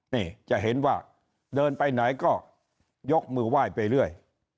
นี่จะเห็นว่าเดินไปไหนก็ยกมือไหว้ไปเรื่อย